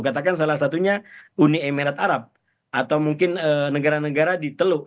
katakan salah satunya uni emirat arab atau mungkin negara negara di teluk